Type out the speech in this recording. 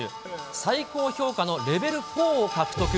最高評価のレベル４を獲得。